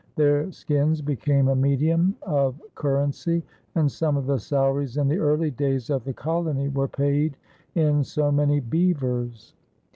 Their skins became a medium of currency, and some of the salaries in the early days of the colony were paid in so many "beavers."